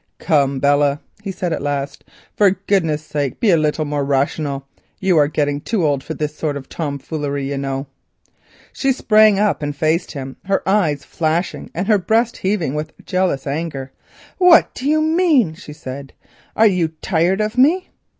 "Come, Belle," he said at last, "for goodness' sake be a little more rational. You are getting too old for this sort of tomfoolery, you know." She sprang up and faced him, her eyes flashing and her breast heaving with jealous anger. "What do you mean?" she said. "Are you tired of me?"